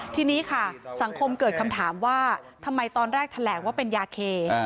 ทีนี้ค่ะสังคมเกิดคำถามว่าทำไมตอนแรกแถลงว่าเป็นยาเค